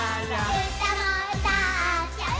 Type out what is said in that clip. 「うたもうたっちゃう」